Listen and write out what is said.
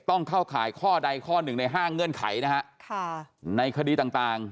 ต้องเข้าข่ายข้อใดข้อหนึ่งในห้าเงื่อนไขนะฮะค่ะในคดีต่างต่าง